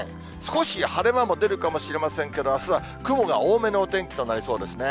少し晴れ間も出るかもしれませんけど、あすは雲が多めのお天気となりそうですね。